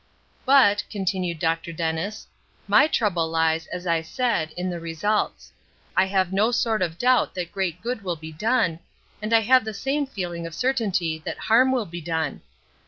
"But," continued Dr. Dennis, "my trouble lies, as I said, in the results. I have no sort of doubt that great good will be done, and I have the same feeling of certainty that harm will be done.